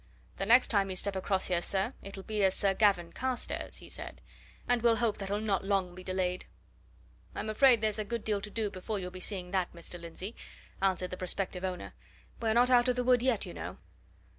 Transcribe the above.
"The next time you step across here, sir, it'll be as Sir Gavin Carstairs!" he said. "And we'll hope that'll not long be delayed!" "I'm afraid there's a good deal to do before you'll be seeing that, Mr. Lindsey," answered the prospective owner. "We're not out of the wood yet, you know."